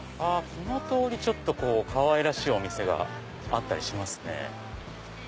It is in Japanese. この通りかわいらしいお店があったりしますね。